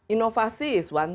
inovasi adalah satu hal